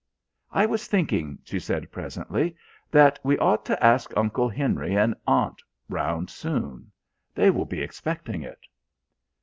"I was thinking," she said presently, "that we ought to ask Uncle Henry and Aunt round soon. They will be expecting it."